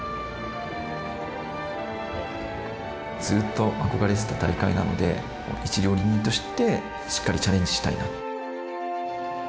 ずっと憧れてた大会なので一料理人としてしっかりチャレンジしたいな。